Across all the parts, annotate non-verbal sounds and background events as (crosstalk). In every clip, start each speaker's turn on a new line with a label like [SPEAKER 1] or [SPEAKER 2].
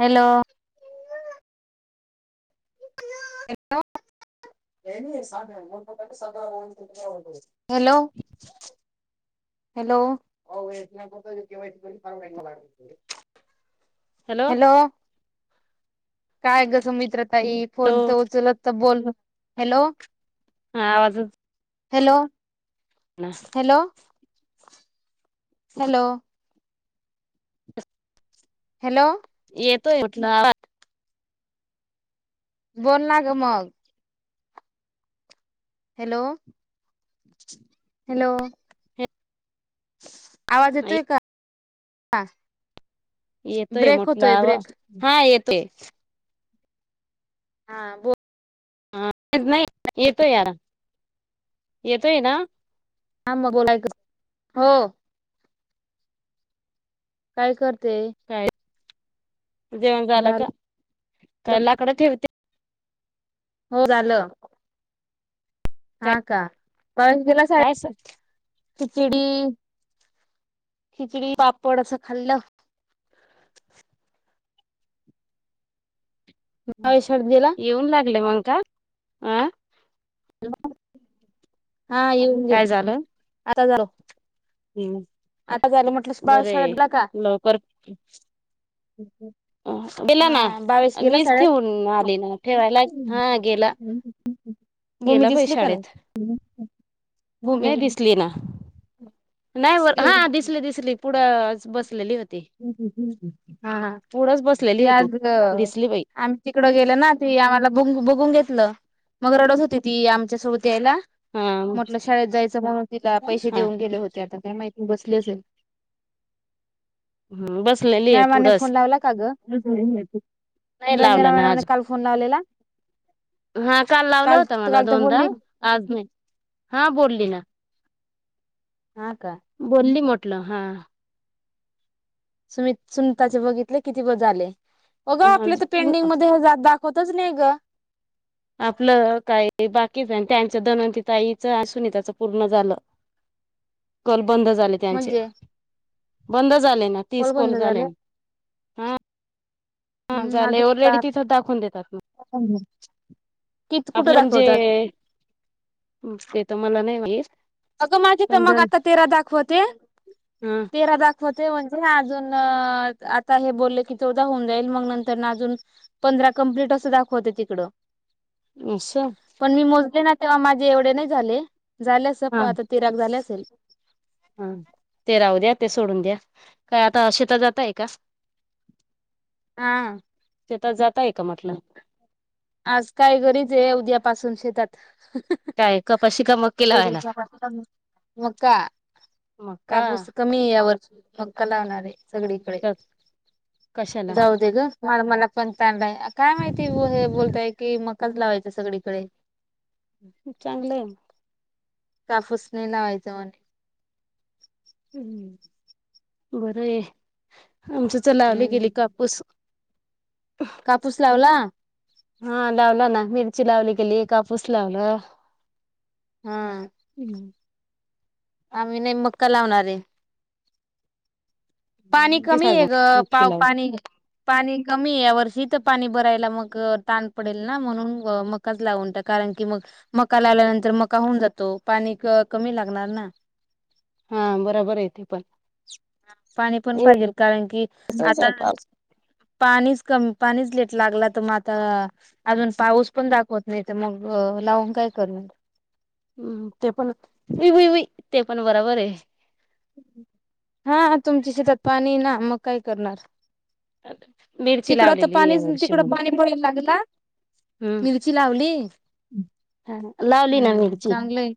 [SPEAKER 1] Hello. (unintelligible) Hello. Hello. Hello काय ग मित्र ताई फोन
[SPEAKER 2] हॅलो
[SPEAKER 1] तर उचलत तर बोल. हॅलो.
[SPEAKER 2] हा आवाजच.
[SPEAKER 1] हॅलो
[SPEAKER 2] ना
[SPEAKER 1] हॅलो हॅलो. हॅलो.
[SPEAKER 2] ऐ बाये उठला आत्ता
[SPEAKER 1] बोल ना ग मग हॅलो हॅलो. आवाज येतोय का सांग.
[SPEAKER 2] येतोय म्हटलं आवाज हा येतोय.
[SPEAKER 1] हा बोल.
[SPEAKER 2] हा नाही येतोय यारा येतोय ना.
[SPEAKER 1] हां मग बोलाय, ग हो. काय करते.
[SPEAKER 2] काय जेवण झालं का काय लाकडं ठेवते?
[SPEAKER 1] हो झालं.
[SPEAKER 2] काय
[SPEAKER 1] हा का पळत गेला
[SPEAKER 2] काय
[SPEAKER 1] शाळेत खिचडी खिचडी पापड असं खाल्लं. शाळेत गेला
[SPEAKER 2] येऊन लागले मग का आं?
[SPEAKER 1] हां येऊन घे आताच आलो.
[SPEAKER 2] हम्म
[SPEAKER 1] बाळ
[SPEAKER 2] बरं
[SPEAKER 1] शाळेत गेला का
[SPEAKER 2] हे लवकर. गेला ना
[SPEAKER 1] हा बावीस गेला
[SPEAKER 2] मीच
[SPEAKER 1] शाळेत
[SPEAKER 2] ठेवून आली ना ठेवायला हां गेला.
[SPEAKER 1] भूमी
[SPEAKER 2] गेला बाई
[SPEAKER 1] दिसली का नाही?
[SPEAKER 2] शाळेत
[SPEAKER 1] भूमी
[SPEAKER 2] नाही दिसली ना नाही हां दिसली दिसली पुढं बस
[SPEAKER 1] हां हां
[SPEAKER 2] पुढंच
[SPEAKER 1] ती
[SPEAKER 2] बसलेली होती
[SPEAKER 1] आज
[SPEAKER 2] दिसली बाई
[SPEAKER 1] आम्ही तिकड गेलो ना ती आम्हाला. ब बघून घेतलं मग रडत होती ती आमच्या सोब त यायला
[SPEAKER 2] हा
[SPEAKER 1] म्हटलं शाळेत जायचं म्हणून तिला पैसे
[SPEAKER 2] हा
[SPEAKER 1] देऊन गेले होते आता. काय माहिती बसली असेल.
[SPEAKER 2] बसलेली आहे
[SPEAKER 1] मॅमाने
[SPEAKER 2] पुढंच
[SPEAKER 1] फोन लावला का ग?
[SPEAKER 2] नाही
[SPEAKER 1] रंजना मॅडमने काल फोन लावलेला.
[SPEAKER 2] हां काल लावला होता मला
[SPEAKER 1] काल तर
[SPEAKER 2] दोनदा
[SPEAKER 1] बोलली
[SPEAKER 2] आज नाही हां बोलली ना.
[SPEAKER 1] हा का
[SPEAKER 2] बोलली म्हटलं हां.
[SPEAKER 1] सुमित सुमताचे बघितले किती बज झाले. अगं आपलं तर पेंडिंग मध्ये हजार दाखवतच नाही ग.
[SPEAKER 2] आपलं काय बाकीच आणि त्याचं धनवंती ताईच आणि सुनीताच पूर्ण झालं. कल बंद झाले त्यांचे
[SPEAKER 1] म्हणजे
[SPEAKER 2] बंद. झाले ना तीस कॉल झाले ना. हां
[SPEAKER 1] हम्म
[SPEAKER 2] झाले ऑलरेडी
[SPEAKER 1] अजून
[SPEAKER 2] तिथं दाखवून देतात मग.
[SPEAKER 1] किती कुठं
[SPEAKER 2] आपल्या न
[SPEAKER 1] दाखवतात
[SPEAKER 2] जे ते तर मला नाही माहीत.
[SPEAKER 1] अगं माझे तर मग आता तेरा दाखवते
[SPEAKER 2] हा
[SPEAKER 1] तेरा दाख होते म्हणजे अजून आता हे बोलले कि चौदा होऊन जाईल मग नंतरन अजून पण धरा कंप्लीट अस दाखवतय तिकडं.
[SPEAKER 2] असं
[SPEAKER 1] पण मी मोजले ना तेव्हा माझे एवढे नाही झाले झालेस प आता तेरा झाले असेल.
[SPEAKER 2] हां ते राहू द्या ते सोडून द्या काय आता शेतात जातय का?
[SPEAKER 1] हां
[SPEAKER 2] ताय का म्हटलं
[SPEAKER 1] आज काय घरीच आहे उद्या पासून शेतात.
[SPEAKER 2] काय कपाशी का मक्की लावायला
[SPEAKER 1] मका
[SPEAKER 2] मक्का
[SPEAKER 1] कापूस कमी आहे यावर्षी. मक्का लावणारे सगळीकडे
[SPEAKER 2] कशाला
[SPEAKER 1] जाऊ दे ग. म मला पण चांगलं आहे काय माहिती हे बोलताय की मकाच लावायचं सगळीकडे.
[SPEAKER 2] चांगल आहे मग.
[SPEAKER 1] कापूस नाही लावायच म्हणे.
[SPEAKER 2] हम्म बरं आहे. आमच्याच लावली गेली
[SPEAKER 1] हम्म
[SPEAKER 2] कापूस.
[SPEAKER 1] कापूस लावला?
[SPEAKER 2] हां लावला ना मिरची लावली गेली कापूस लावला.
[SPEAKER 1] हां. आम्ही नाही मक्का लावणार आहे. पाणी कमी आहे ग
[SPEAKER 2] नक्की
[SPEAKER 1] पाव
[SPEAKER 2] लाव
[SPEAKER 1] पाणी. पाणी कमी या वर्षी तर पाणी भरायला मग ताण पडेल ना म्हणून मकाच लावून टाक का कारण की मग मका लावल्यानंतर मका होऊन जातो पाणी कमी लागणार ना.
[SPEAKER 2] हां बरोबर आहे तेे पण.
[SPEAKER 1] पाणी पण पाहिजेल कारण की
[SPEAKER 2] तसच
[SPEAKER 1] आता
[SPEAKER 2] आहे पाऊस
[SPEAKER 1] पाणीच कमी पाणीच लेट लागला तर मग आता अजून पाऊस पण दाखवत नाही तर मग लावून काय करू (inaudible)
[SPEAKER 2] हम्म ते पण वुइ वुई ते पण बरोबर आहे.
[SPEAKER 1] हा तुमची शेतात पाणी ना मग काय करणार.
[SPEAKER 2] मिरची
[SPEAKER 1] तिकडं तर
[SPEAKER 2] लावलेली
[SPEAKER 1] पाणी
[SPEAKER 2] या वर्षी
[SPEAKER 1] तिकडं
[SPEAKER 2] मग
[SPEAKER 1] पाणी पडायला लागला. मिरची लावली
[SPEAKER 2] हम्म लावली
[SPEAKER 1] हम्म चांगलंय.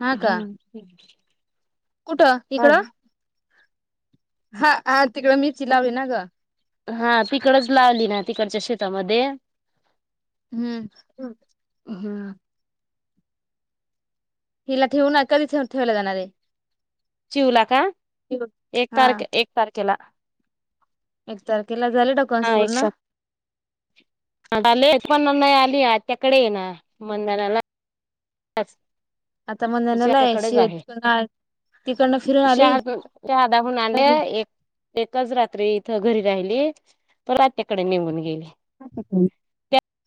[SPEAKER 1] हा का कुठं इकडं. हा हा तिकडं मिरची लावली ना ग.
[SPEAKER 2] हा तिकडच लावली ना तिकडच्या शेतामध्ये.
[SPEAKER 1] हम्म.
[SPEAKER 2] हम्म.
[SPEAKER 1] हिला ठेवूना कधीे ठेवल जाणार आहे.
[SPEAKER 2] चिवूला का एक
[SPEAKER 1] हा
[SPEAKER 2] तारखे एक तारखेला.
[SPEAKER 1] एक तारखेला झाले डाक्यूमेंट्स पूर्ण?
[SPEAKER 2] झाले पण नाही आली आ आत्याकडे ये ना मंदनालाचं.
[SPEAKER 1] आता मणधनाला आहे शेत तिकडनं फिरून आली
[SPEAKER 2] शहाद शहादाहून आले एक एकच रात्री घरी राहिली परत आत्याकडे निघून गेली.
[SPEAKER 1] (unintelligible)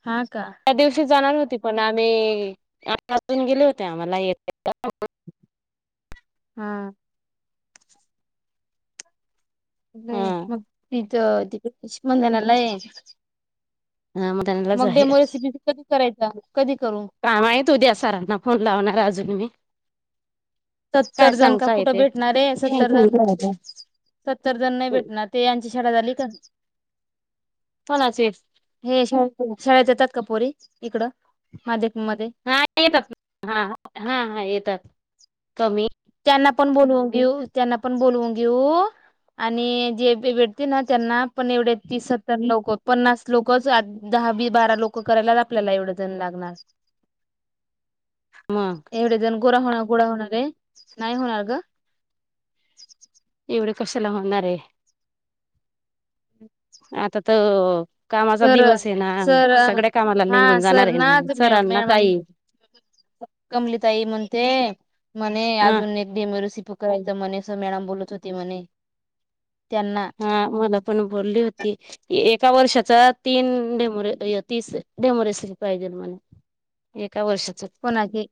[SPEAKER 2] त्या दिवशी जाणार होती. पण आम्ही आजून गेले होते आम्हाला (unintelligible)
[SPEAKER 1] हा.
[SPEAKER 2] हा
[SPEAKER 1] मग तिथ मनधनाला आहे.
[SPEAKER 2] हा त्यांनाच
[SPEAKER 1] मग
[SPEAKER 2] आहे
[SPEAKER 1] डेमो रेसीपी (unintelligible) करायचां.
[SPEAKER 2] काय माहित उद्या सारांना फोन लावणार अजून मी. काय
[SPEAKER 1] सत्तर जण का
[SPEAKER 2] सांगता
[SPEAKER 1] कुठं
[SPEAKER 2] येते
[SPEAKER 1] भेटणार आहे सत्तर जण सत्तर जण नाही भेटणार ते यांची शाळा झाली.
[SPEAKER 2] कोणाचे
[SPEAKER 1] हे श शाळेत येतात. का पोरी इकड माझ
[SPEAKER 2] हा येतात हा हा येतात कमी
[SPEAKER 1] त्यांना पण बोलवून घेऊ त्यांना पण बोलवून घेऊ. आणि जे भेटते ना त्यांना पण एवढे तीसत्तर लोक पन्नास लोकच हा बी बारा लोक करायला आपल्याला एवढं जण लागणार.
[SPEAKER 2] मग
[SPEAKER 1] एवढे जण गोरा होणार गोळा होणारय. नाही होणार ग.
[SPEAKER 2] तेवढ कशाला होणार आहे आता त कामाचा
[SPEAKER 1] सर
[SPEAKER 2] दिवस आहे ना
[SPEAKER 1] सर
[SPEAKER 2] सगळ्या कामाला
[SPEAKER 1] हा
[SPEAKER 2] निगून जाणार
[SPEAKER 1] सर
[SPEAKER 2] आहे ना
[SPEAKER 1] ते मॅ
[SPEAKER 2] सरांना काय
[SPEAKER 1] मॅडम
[SPEAKER 2] आहे.
[SPEAKER 1] कमलीताई म्हणते म्हणे
[SPEAKER 2] ह
[SPEAKER 1] अजून एक डेमोरेसिपी होका एकदा मनिषा मॅडम बोलत होते म्हणे. त्यांना
[SPEAKER 2] हा मला पण बोलली होती की एक एका वर्षाचा तीन डेमोरे तीस डेमोरेसरी पाहिजे म्हणे. एका वर्षाच
[SPEAKER 1] कोणाचे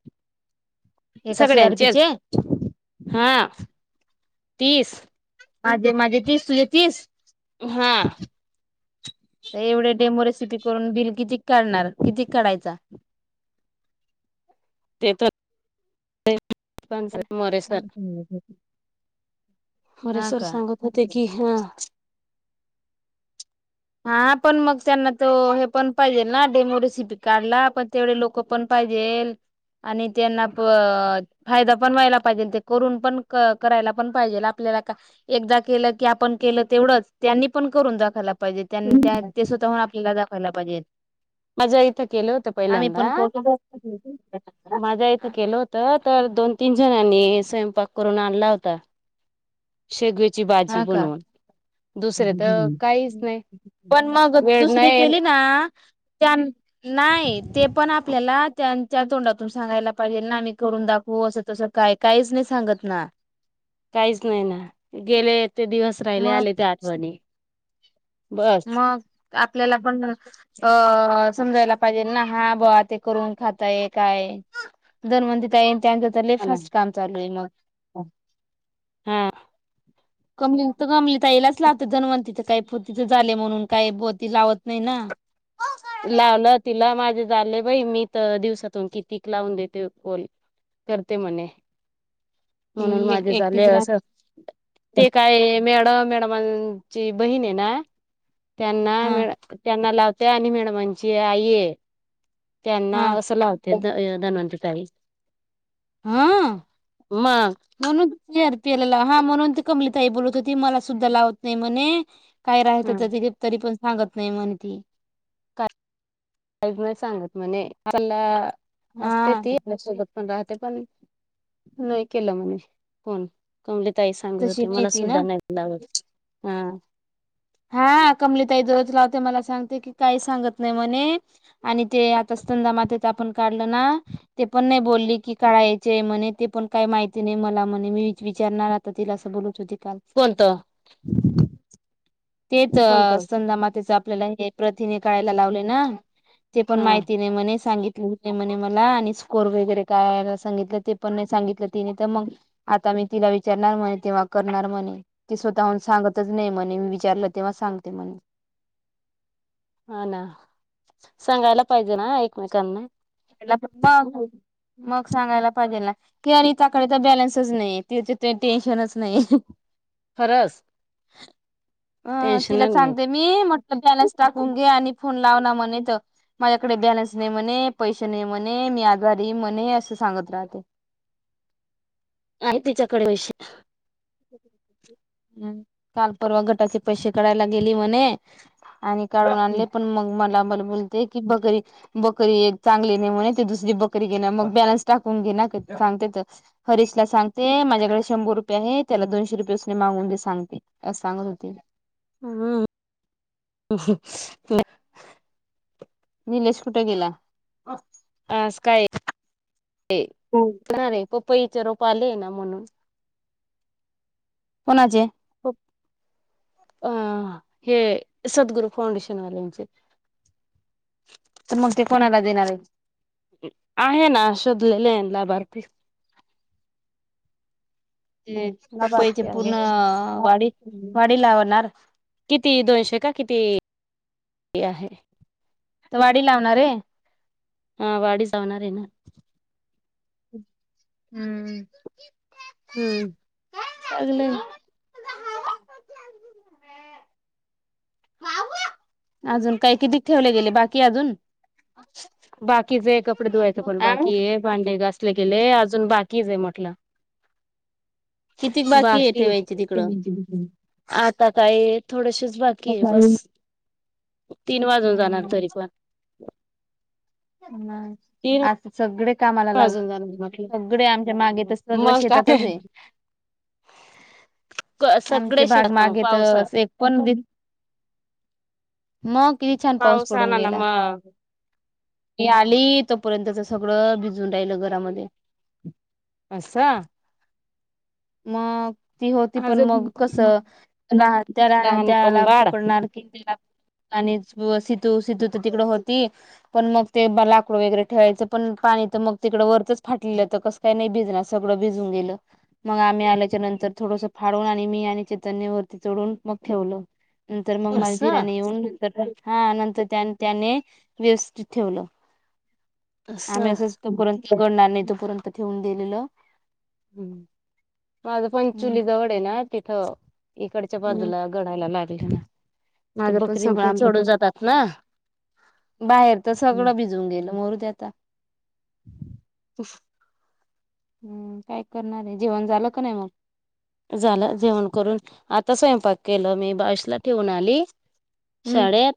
[SPEAKER 1] एका सी आर पी चे
[SPEAKER 2] सगळ्यांचेच हा तीस
[SPEAKER 1] माझे माझे तीस तुझे तीस.
[SPEAKER 2] हां
[SPEAKER 1] तर एवढे डेमोरेसिपी करून बिल किती काढणार किती काढायचा. (inaudible)
[SPEAKER 2] (unintelligible) सर मोरे सर मोरे
[SPEAKER 1] हा
[SPEAKER 2] सर
[SPEAKER 1] का
[SPEAKER 2] सांगत होते की हां
[SPEAKER 1] हा पण मग त्यांना तो हे पण पाहिजे ना डेमो रेसिपी काढला पण तेवढे लोक पण पाहिजे. जेल आणि त्यांना प फायदा पण व्हायला पाहिजे ते करून पण करायला पण पाहिजे आपल्या. एकदा केलं की आपण केलं तेवढंच त्यांनी पण करून दाखवयला. पाहिजेत त्याना त्या ते स्वतःहून आपल्याला दाखवायला पाहिजेत.
[SPEAKER 2] माझ्या इथं केलं हुतं पहिल्यांदा
[SPEAKER 1] करतो
[SPEAKER 2] माझ्या इथं केलं होतं तर दोन तीन झणांनी स्वयंपाक करून आणला होता. शेगवेची भाजी
[SPEAKER 1] हा का
[SPEAKER 2] बनवून. दुसरे तर काहीच नाही
[SPEAKER 1] (inaudible) पण मग
[SPEAKER 2] वेळ
[SPEAKER 1] दुसरी
[SPEAKER 2] नाही
[SPEAKER 1] केली ना त्या नाही ते पण आपल्याला त्यांच्या तोंडातून. सांगायला पाहिजे ना आम्ही करून दाखवू असं तसं काय काहीच नाही सांगत ना.
[SPEAKER 2] काहीच नाही ना गेले ते दिवस राहिल्या
[SPEAKER 1] मग
[SPEAKER 2] आल्या त्या आठवणी बस
[SPEAKER 1] मग आपल्याला पण अ समजायला पाहिजे ना हा बुवा ते करून खाताय काय धनवंती ताई. त्यांच तर लई
[SPEAKER 2] हा ना
[SPEAKER 1] फास्ट काम चालूय मग.
[SPEAKER 2] हा.
[SPEAKER 1] (unintelligible) झाले म्हणून का (unintelligible) ती लावत नाही ना
[SPEAKER 2] लावलं तिला माझे झाले बाई मी तर दिवसातून किती लावून देते बोल करते म्हणे.
[SPEAKER 1] ती
[SPEAKER 2] म्हणून
[SPEAKER 1] एक
[SPEAKER 2] माझे झाले
[SPEAKER 1] एकटीच राहते
[SPEAKER 2] असं ते काय मॅडम त्या मॅडमांची बहीण आहे ना
[SPEAKER 1] हा
[SPEAKER 2] त्यांना लावते आणि मॅडम यांना. म्हणजे आईये त्यांना
[SPEAKER 1] हा
[SPEAKER 2] असं लावते धनवंतर ताई
[SPEAKER 1] हं अ
[SPEAKER 2] मग
[SPEAKER 1] म्हणून. चि (unintelligible) र पिअरला हा म्हणून ती कमलिताई बोलत होती मला सुद्धा लावत नाही म्हणे काय राहायचं दप्तरी पण सांगत नय म्हणेती.
[SPEAKER 2] काही नाही सांगत म्हणे आपलं असते
[SPEAKER 1] हा
[SPEAKER 2] ते. पण राहते पण नाही केलं म्हणे फोन ताई सांगत
[SPEAKER 1] तशी
[SPEAKER 2] होते
[SPEAKER 1] नाही
[SPEAKER 2] मला
[SPEAKER 1] ती ना
[SPEAKER 2] सुद्धा नाही लावत हा
[SPEAKER 1] हा कमलीताई जवळच लावते मला सांगते की काही सांगत नाही म्हणे आणि ते आता स्तनदा माताच आपण काढलं ना ते पण नाही बोलली की काढायचे म्हणे ते पण काही माहिती नाही. मला म्हणे मी वि-विचारणार आता तिला असं बोलत होते काल.
[SPEAKER 2] कोणतं
[SPEAKER 1] तेच अ
[SPEAKER 2] कोणतं
[SPEAKER 1] संंदामातेच आपल्याला हे प्रथिने काळायला लावले ना. ते पण
[SPEAKER 2] हा
[SPEAKER 1] माहिती नाही म्हणे सांगित. ते म्हणे मला आणि स्कोर वगैरे करायला सांगितलं ते पण सांगितलं तिने तर मग आता. तिला विचारणार म्हणे तेव्हा करणार म्हणे ती स्वतःहून सांगतच नाही म्हणे मी विचारलं तेव्हा सांगते म्हणे.
[SPEAKER 2] हा ना सांगायला पाहिजे ना एकमेकांना
[SPEAKER 1] (inaudible) मग. मग सांगायला पाहिजे ना की, अरे हिच्याकडं तर बॅलन्सच नाही तिथ ते टेन्शनच नाही.
[SPEAKER 2] खरस.
[SPEAKER 1] अ तिला सांगते मी म्हटलं बॅलन्स टाकून घे आणि फोन लाव ना म्हणे तर माझ्याकडे बॅलन्स नाही म्हणे. पैसे नाही म्हणे मी आजारी म्हणे असं सांगत राहते.
[SPEAKER 2] आहे तिच्याकडे वषीला.
[SPEAKER 1] (inaudible) हम्म काल परवा गटाचे पैसे काढायला गेली म्हणे आणि काढून आणले पण मग मला मला बोलते की बकरी -बकरी एक चांगली नाही म्हणे ती दुसरी बकरी घेना मग बॅलन्स टाकून घेणा. सांगते तर हरीश ला सांगते माझ्याकडे शंभर रुपये आहेत त्याला दोनशे रुपये उसने मागून दे सांगते असांगत होते.
[SPEAKER 2] अहम्
[SPEAKER 1] निलेश कुठे गेला?
[SPEAKER 2] अं स्काय रे‌ पप् पैच रोप आलेनां म्हणून.
[SPEAKER 1] कुनाचे?
[SPEAKER 2] अं हे सद्गुरू फाउंडेशन वाल्यांचे.
[SPEAKER 1] तर मग ते कोणाला देणारेत?
[SPEAKER 2] आहे ना शोधलेले आएन लाभार्थी.
[SPEAKER 1] तें पपईचे
[SPEAKER 2] लाभार्थी आहे
[SPEAKER 1] पूर्ण अ वाडि वाडी लाव णार.
[SPEAKER 2] किती दोनशे का कितीइ (inaudible) आहे?
[SPEAKER 1] त वाडी लावणारे?
[SPEAKER 2] हां वाडीचवणारेना?
[SPEAKER 1] हम्म.
[SPEAKER 2] हम्म.
[SPEAKER 1] अलग. अजून काय किती ठेवले गेले बाकी अजून?
[SPEAKER 2] बाकीचे कपडे धुवायचं पण बाकीये भांडे घासले. लेले अजून बाकीचेय म्हंटलं.
[SPEAKER 1] किती बाकी आहे
[SPEAKER 2] बाक.
[SPEAKER 1] ठेवायची तिकडं
[SPEAKER 2] आता काये थोडेशेच बाकीये बस. तीन वाजून जाणार
[SPEAKER 1] हम्म
[SPEAKER 2] तरीपण.
[SPEAKER 1] हां आस सगडे कामाला लागू
[SPEAKER 2] वाजून जाणार म्हटलं
[SPEAKER 1] सगडे आमच्या मागे तर सगळं
[SPEAKER 2] मग
[SPEAKER 1] शेतातचे.
[SPEAKER 2] काय
[SPEAKER 1] आमचे
[SPEAKER 2] सगळे
[SPEAKER 1] भाग
[SPEAKER 2] शेतात ना मग
[SPEAKER 1] मागे तर
[SPEAKER 2] पावसात
[SPEAKER 1] एक पण दि मग कितीछान पाऊस पडून
[SPEAKER 2] आला ना
[SPEAKER 1] गेला.
[SPEAKER 2] मग
[SPEAKER 1] मी आली तोपर्यंतच सगळं भिजून राहिलं घरामध्ये.
[SPEAKER 2] असं?
[SPEAKER 1] मअग. ती होती पण
[SPEAKER 2] अजून
[SPEAKER 1] मग कसं नाहत्या
[SPEAKER 2] लहानपण
[SPEAKER 1] रानात्याला
[SPEAKER 2] बाळ
[SPEAKER 1] पकडणार कि तीला प् आणि स्प सितू सितू तर तिकडं होती पण मग ते ब लाकूड वगैरे ठेवायचं पण कांय तर मग तिकडं वरचच फाटलेलं तर कस काय नइ भिजणार सगळं भिजून गेलं. मग आम्ही आल्याच्या नंतर थोडसं फाडून आणि मी आणि चेतनी वरती चढून मग ठेवलं. नंतर मग मला
[SPEAKER 2] असं
[SPEAKER 1] दिराने युन नंतर हा नंतर त्यान त्याने व्यवस्थित ठेवलं. आम्ही
[SPEAKER 2] असं
[SPEAKER 1] असंच तोपर्यंत गडणार नाही तोपर्यंत ठेवून दिलेलं.
[SPEAKER 2] हम्म माझं पंचुली
[SPEAKER 1] हम्म
[SPEAKER 2] जवडेना तिथं. इकडच्या बाजूला गडायला लागलंना.
[SPEAKER 1] माझं पण सगळं आमचपण. बाहेर तर सगळं भिजून गेल मरूदे आता.
[SPEAKER 2] (inaudible)
[SPEAKER 1] हम्म काय करणारे जेवन झालं कनय मग?
[SPEAKER 2] झालं जेवण करून आता स्वयंपाक केलामी बाईशला ठेऊन आली.
[SPEAKER 1] हम्म
[SPEAKER 2] शाडे आठ?